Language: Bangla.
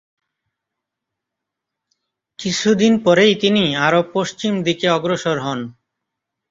কিছুদিন পরেই তিনি আরো পশ্চিম দিকে অগ্রসর হন।